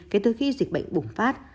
kể từ khi dịch bệnh bùng phát